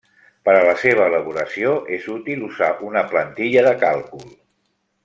Per a la seva elaboració és útil usar una plantilla de càlcul.